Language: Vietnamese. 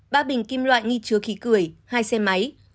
ba bình kim loại nghi chứa khí cười hai xe máy